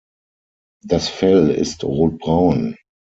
Das Fell ist rotbraun.